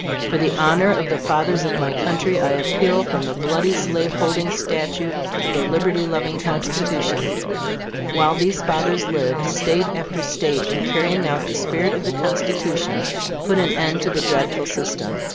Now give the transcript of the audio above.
for the honor of the fathers of my country, I appeal from the bloody slaveholding statute to the liberty loving Constitution. While these fathers lived, State after State, in carrying out the spirit of the Constitution, put an end to the dreadful system.